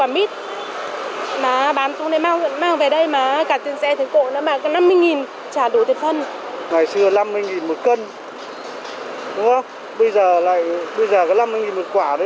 mít về thì ở trong trung cư mấy bà đi mua mỗi người một trái